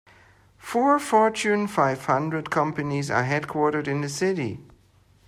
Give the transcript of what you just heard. Four Fortune Five Hundred companies are headquartered in this city.